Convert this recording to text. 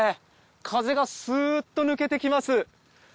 風がスーッと抜けてきます。